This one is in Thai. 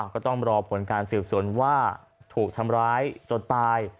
ก็ต้องรอผลการสืบสวนว่าถูกทำร้ายจนตาย